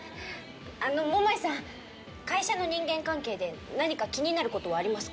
あの桃井さん会社の人間関係で何か気になることはありますか？